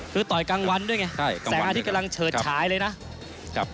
คือต่อยกลางวันด้วยไงใช่ครับแสงอาทิตย์กำลังเฉิดฉายเลยนะครับ